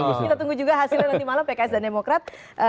kita tunggu juga hasilnya nanti malam pks dan demokrat